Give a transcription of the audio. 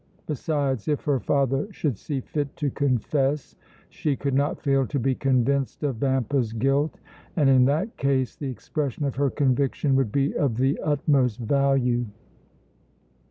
Besides, if her father should see fit to confess she could not fail to be convinced of Vampa's guilt and in that case the expression of her conviction would be of the utmost value.